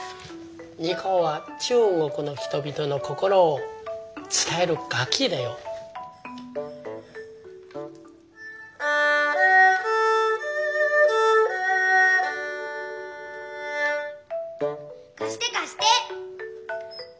二胡は中国の人々の心をつたえる楽きだよ。かしてかして。